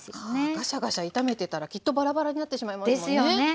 ガシャガシャ炒めてたらきっとバラバラになってしまいますもんね。ですよね。